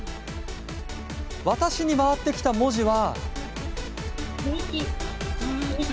私に回ってきた文字は。